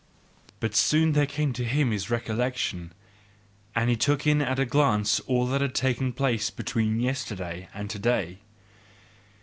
But soon there came to him his recollection, and he took in at a glance all that had taken place between yesterday and to day.